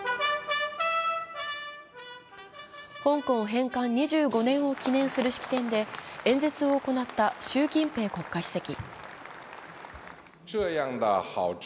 香港返還２５年を記念する式典で演説を行った習近平国家主席。